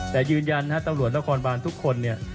แต่ยืนยันนะฮะตำรวจนครบานทุกคนเนี่ย